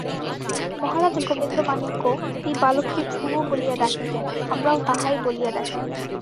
মহারাজ গোবিন্দমাণিক্য এই বালককে ধ্রুব বলিয়া ডাকিতেন, আমরাও তাহাই বলিয়া ডাকিব।